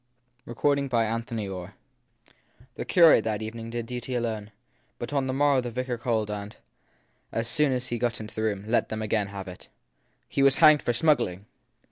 THE THIED PEESON 257 III THE curate that evening did duty alone ; but on the morrow the vicar called and, as soon as he got into the room, let them again have it. He was hanged for smuggling